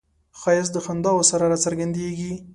ښایست د خنداوو سره راڅرګندیږي